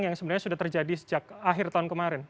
yang sebenarnya sudah terjadi sejak akhir tahun kemarin